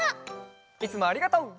いつもありがとう。